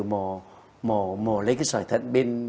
mổ lấy cái sỏi thận